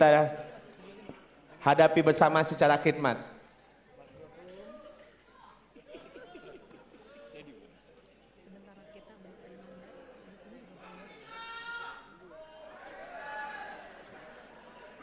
hai hadirin kami mohon untuk duduk kesediaannya karena proses ini sudah berakhir